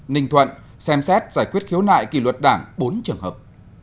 ninh thuận xem xét giải quyết khiếu nại kỷ luật đảng bốn trường hợp